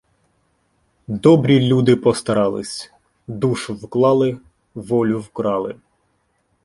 Добрі люди постарались - душу вклали, волю вкрали